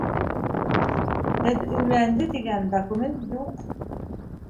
Һеҙ өйләнде, тигән документ юҡ.